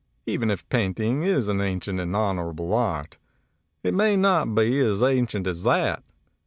Even if painting is an ancient and honorable art, it may not be as ancient as that.